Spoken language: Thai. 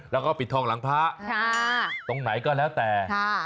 แล้วก็ปิดทองหลังพระตรงไหนก็แล้วแต่